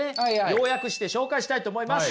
要約して紹介したいと思います。